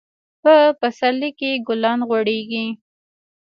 په پسرلي کي ګلان غوړيږي.